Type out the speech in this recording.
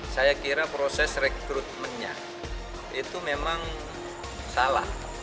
saya kira proses rekrutmennya itu memang salah